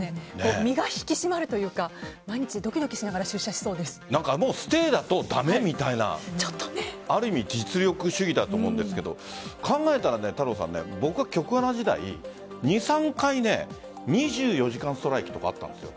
身が引き締まるというか毎日ドキドキしながらもうステイだと駄目みたいなある意味実力主義だと思うんですが考えたら僕は局アナ時代２３回、２４時間ストライキとかあったんです。